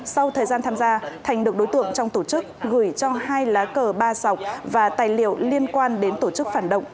sau thời gian tham gia thành được đối tượng trong tổ chức gửi cho hai lá cờ ba sọc và tài liệu liên quan đến tổ chức phản động